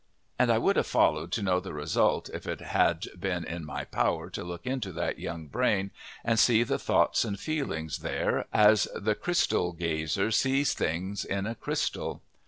And I would have followed to know the result if it had been in my power to look into that young brain and see the thoughts and feelings there as the crystal gazer sees things in a crystal.